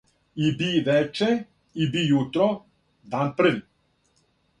И би вече и би јутро, дан први.